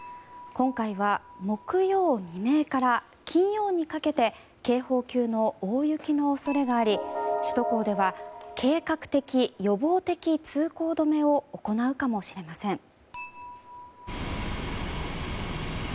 今回は木曜未明から金曜にかけて警報級の大雪の恐れがあり首都高では計画的・予防的通行止めを行うかもしれません。